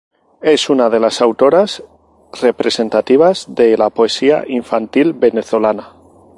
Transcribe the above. Es una de las autoras representativas de la poesía infantil venezolana.